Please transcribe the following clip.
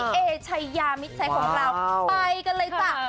เอชายามิดชัยของเราไปกันเลยจ้ะ